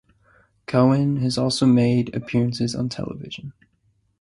Cohen has also made appearances on television.